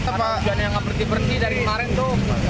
karena hujan yang berarti berarti dari kemarin tuh